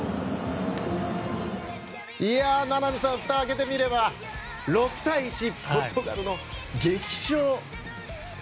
名波さんふたを開けてみれば６対１でポルトガルの劇勝！